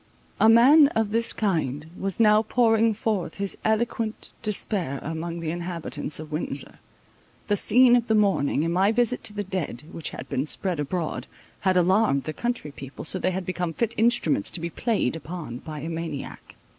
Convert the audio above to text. A man of this kind was now pouring forth his eloquent despair among the inhabitants of Windsor. The scene of the morning, and my visit to the dead, which had been spread abroad, had alarmed the country people, so they had become fit instruments to be played upon by a maniac.